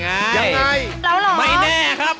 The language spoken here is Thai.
ไม่แน่ครับเอาแล้วไม่แน่ครับ